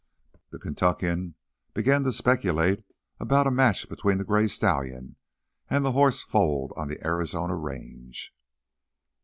The Kentuckian began to speculate about a match between the gray stallion and the horse foaled on the Arizona range.